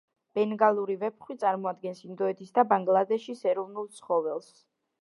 ბენგალური ვეფხვი წარმოადგენს ინდოეთის და ბანგლადეშის ეროვნულ ცხოველს.